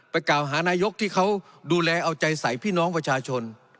กล่าวหานายกที่เขาดูแลเอาใจใส่พี่น้องประชาชน